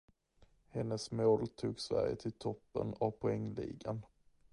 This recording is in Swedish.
Hennes mål tog Sverige till toppen av poängligan.